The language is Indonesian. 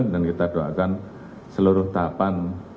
dan kita doakan seluruh tahapan